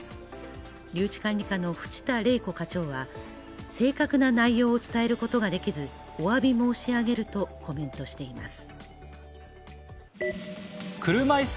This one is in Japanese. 留置管理課の渕田れい子課長は正確な内容を伝えることができずおわび申し上げるとコメントしています。